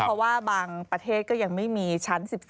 เพราะว่าบางประเทศก็ยังไม่มีชั้น๑๔